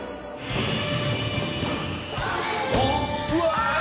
うわ！